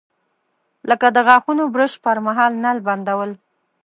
لکه د غاښونو برش پر مهال نل بندول.